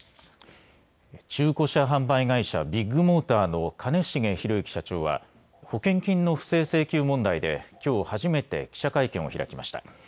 中古車販売会社、ビッグモーターの兼重宏行社長は保険金の不正請求問題できょう初めて記者会見を開きました。